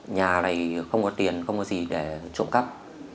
nhà này không có tiền không có gì để trộm cắp